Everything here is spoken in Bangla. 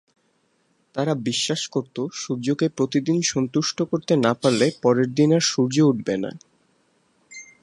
তাঁরা বিশ্বাস করতো সূর্যকে প্রতিদিন সন্তুষ্ট করতে না পারলে পরের দিন আর সূর্য উঠবে না।